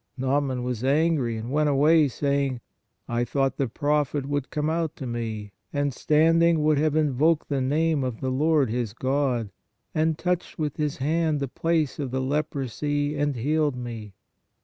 Naaman was angry, and went away saying : I thought the prophet would come out to me, and standing, would have invoked the name of the Lord his God, and touched with his hand the place of the leprosy, and healed me.